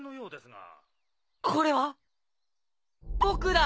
ここれは僕だ！